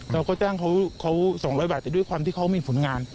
เราก็จ้างเขา๒๐๐บาทแต่ด้วยความที่เขามีผลงาน